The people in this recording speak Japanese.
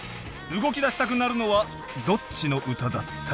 動きだしたくなるのはどっちの歌だった？